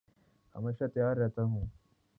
ہمیشہ تیار رہتا ہوں